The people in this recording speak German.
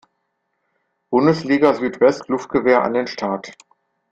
Bundesliga Südwest Luftgewehr an den Start